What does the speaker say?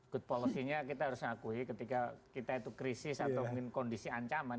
good policy nya kita harus akui ketika kita itu krisis atau mungkin kondisi ancaman